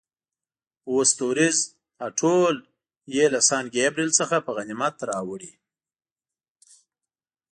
اووه ستوریز، دا ټول یې له سان ګبرېل څخه په غنیمت راوړي.